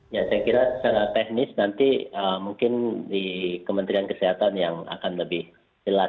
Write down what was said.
ya saya kira secara teknis nanti mungkin di kementerian kesehatan yang akan lebih jelas